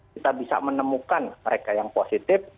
kita bisa menemukan mereka yang positif